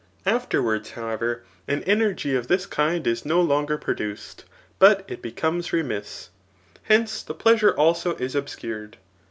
Afterwards, however, an energy of this kind is no longer produced, but it becomes remiss. Hence, the plea^ sure also is obscured.